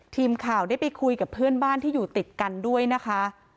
ทีมข่าวได้ไปคุยกับเพื่อนบ้านที่อยู่ติดกันด้วยนะคะ